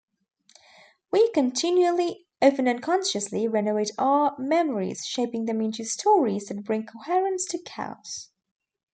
We continually-often unconsciously-renovate our memories, shaping them into stories that bring coherence to chaos.